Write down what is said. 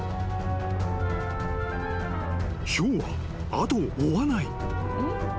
［ヒョウは後を追わない］